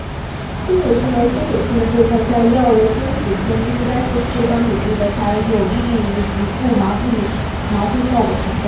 亲脂性和亲水性的部分在药物分子中应该是适当比例的才有利于局部麻醉效果的产生。